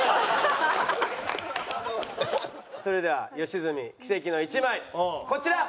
それでは吉住奇跡の１枚こちら。